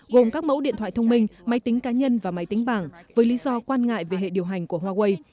gồm các mẫu điện thoại thông minh máy tính cá nhân và máy tính bảng với lý do quan ngại về hệ điều hành của huawei